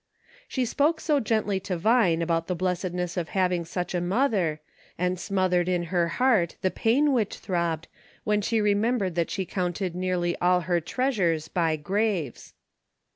She spoke gently to Vine about the blessedness of having such a mother, and smothered in her heart the pain which throbbed, when she remembered that she counted nearly all her treasures by graves.